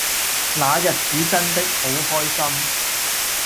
那日子真的好開心